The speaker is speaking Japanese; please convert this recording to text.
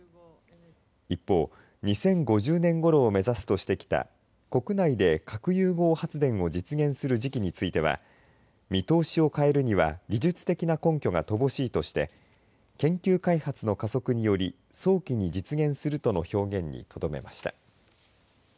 一方、２０５０年ごろを目指すとしてきた国内で核融合発電を実現する時期については見通しを変えるには技術的な根拠が乏しいとして研究開発の加速により早期に実現するとの表現にとどめました。